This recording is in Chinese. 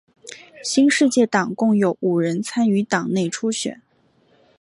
新世界党共有五人参与党内初选。